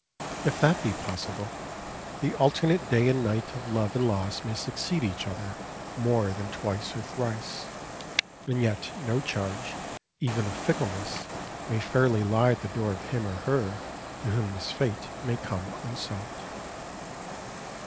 If that be possible, the alternate day and night of love and loss may succeed each other more than twice or thrice, and yet no charge, even of fickleness, may fairly lie at the door of him or her to whom this fate may come unsought.